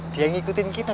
dia ngikutin kita